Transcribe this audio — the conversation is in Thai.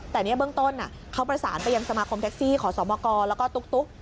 แต่เนี่ยเบื้องต้นเขาประสานไปยังสมาคมแท็กซี่ขอสมกแล้วก็ตุ๊ก